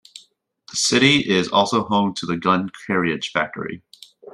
The city is also home to the Gun Carriage Factory.